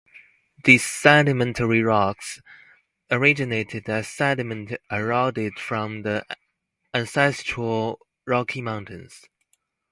These sedimentary rocks originated as sediment eroded from the Ancestral Rocky Mountains.